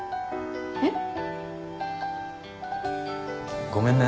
えっ？ごめんね。